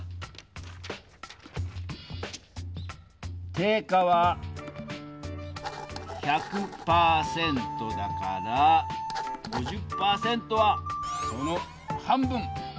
定価は１００％だから５０％はこの半分。